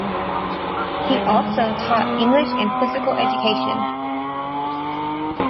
He also taught English and physical education.